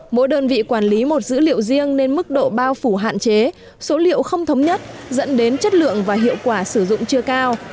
mỗi đơn vị quản lý một dữ liệu riêng nên mức độ bao phủ hạn chế số liệu không thống nhất dẫn đến chất lượng và hiệu quả sử dụng chưa cao